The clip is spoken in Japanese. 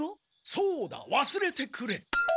そうだわすれてくれ。